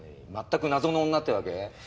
全く謎の女ってわけ？